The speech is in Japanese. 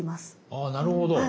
あなるほど。